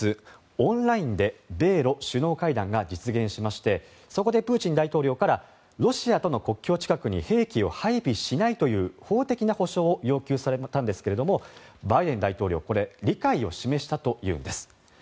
オンラインで米ロ首脳会談が実現しましてそこでプーチン大統領からロシアとの国境近くに兵器を配備しないという法的な保証を要求されたんですけれどもバイデン大統領はこれに理解を示したというんです。